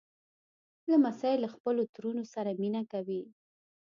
لمسی له خپلو ترونو سره مینه کوي.